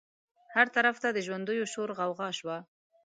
هر طرف ته د ژوندیو شور غوغا شوه.